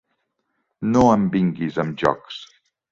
No em vinguis amb jocs.